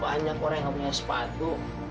banyak orang yang punya sepatu